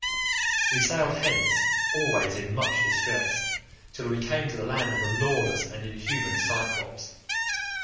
"We sailed hence, always in much distress, till we came to the land of the lawless and inhuman Cyclopes.